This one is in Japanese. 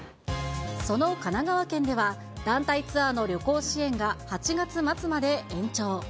その神奈川県では、団体ツアーの旅行支援が８月末まで延長。